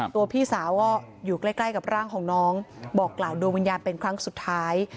พี่สาวก็อยู่ใกล้กับร่างของน้องบอกกล่าวดวงวิญญาณเป็นครั้งสุดท้าย